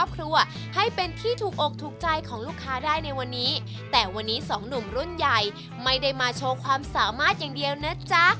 ไม่ได้มาโชว์ความสามารถอย่างเดียวนะจ๊ะ